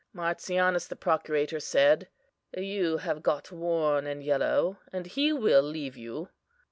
"MARTIANUS, the procurator, said: You have got worn and yellow, and he will leave you.